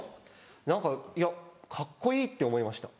何かいやカッコいいって思いました。